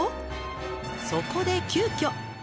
「そこで急きょ！